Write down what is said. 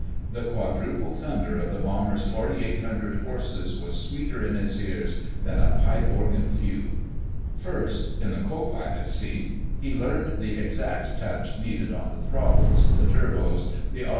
The quadruple thunder of the bomber's 4,800 horses was sweeter in his ears than a pipe organ fugue. First, in the co pilot's seat, he learned the exact touch needed on the throttles, the turbos, the r.